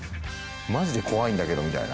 マジで怖いんだけどみたいな